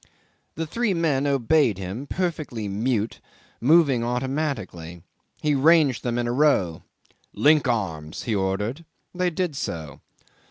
The three men obeyed him, perfectly mute, moving automatically. He ranged them in a row. "Link arms!" he ordered. They did so.